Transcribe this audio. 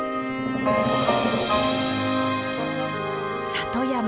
里山